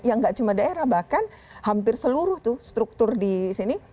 ya tidak cuma daerah bahkan hampir seluruh struktur di sini